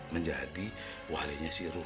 menjadi walinya si rum